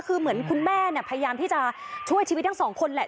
คือเหมือนคุณแม่เนี่ยพยายามที่จะช่วยชีวิตทั้งสองคนแหละ